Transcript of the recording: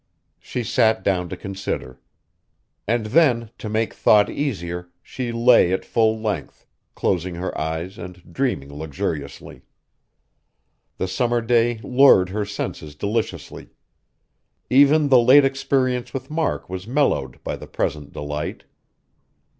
She sat down to consider; then, to make thought easier, she lay at full length, closing her eyes and dreaming luxuriously. The summer day lured her senses deliciously. Even the late experience with Mark was mellowed by the present delight.